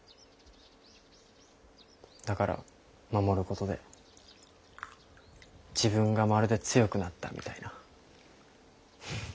だから守ることで自分がまるで強くなったみたいな。